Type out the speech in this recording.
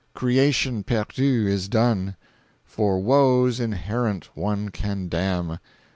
Creation perdu, is done; for woes inherent one can damn.